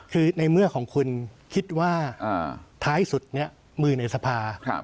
คือในเมื่อของคุณคิดว่าท้ายสุดมือในสภา